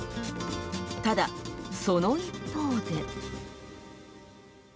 ただ、その一方で。